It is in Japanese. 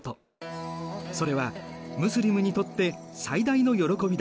それはムスリムにとって最大の喜びだ。